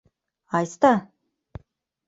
— Айста!